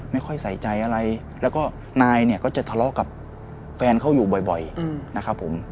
ไม่ค่อยใส่ใจอะไรแล้วก็นายเนี่ยก็จะทะเลาะกับแฟนเขาอยู่บ่อยนะครับผม